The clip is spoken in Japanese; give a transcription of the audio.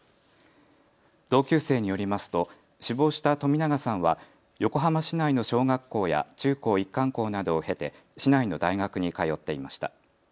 同級生によりますと死亡した冨永さんは横浜市内の小学校や中高一貫校などを経て市内の大学に通っていました。